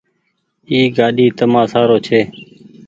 اي گآڏي تمآ سآرو ڇي۔